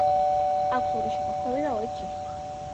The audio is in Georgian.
აქვს ორი შესახვევი და ორი ჩიხი.